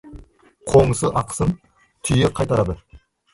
Қоңсы ақысын түйе қайтарады.